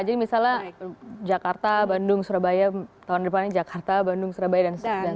jadi misalnya jakarta bandung surabaya tahun depannya jakarta bandung surabaya dan sebagainya